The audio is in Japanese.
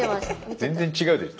全然違うでしょ。